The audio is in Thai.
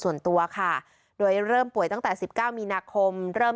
ส่วนตัวค่ะโดยเริ่มป่วยตั้งแต่๑๙มีนาคมเริ่ม